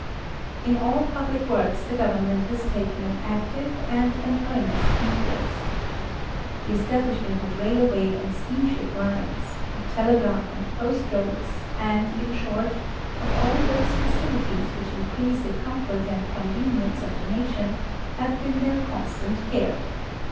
In all public works the government has taken an active and an earnest interest. The establishment of railway and steam ship lines, of telegraph and post roads, and, in short, of all those facilities which increase the comfort and convenience of the nation, have been their constant care.